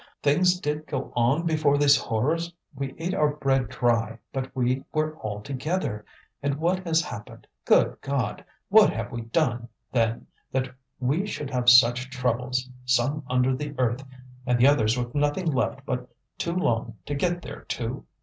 Things did go on before these horrors. We ate our bread dry, but we were all together; and what has happened, good God! What have we done, then, that we should have such troubles some under the earth, and the others with nothing left but to long to get there too?